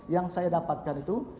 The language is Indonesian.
yang saya dapatkan itu